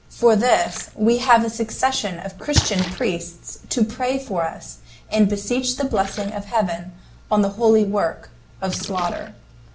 "For this we have a succession of Christian priests to pray for us and beseech the blessing of Heaven on the holy work of slaughter.